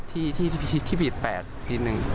ที่ผิดแปลกนิดนึง